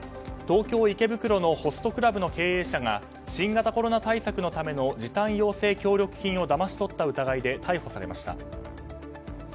東京・池袋のホストクラブの経営者が新型コロナ対策のための時短要請協力金をだまし取った疑いで逮捕されました。